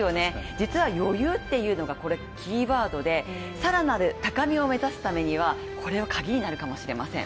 実は余裕っていうのがキーワードで、更なる高みを目指すためにはこれがカギになるかもしれません。